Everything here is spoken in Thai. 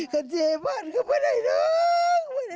เกิิดให้บ้านเข้าไปในทั้ง